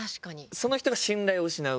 その人が信頼を失う。